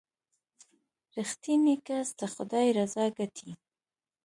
• رښتینی کس د خدای رضا ګټي.